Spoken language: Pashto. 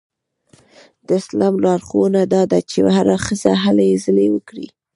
د اسلام لارښوونه دا ده چې هره ښځه هلې ځلې وکړي.